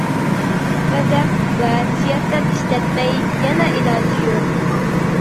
غەزەپ ۋە سىياسەت ئىشلەتمەي يەنە ئىلاجى يوق.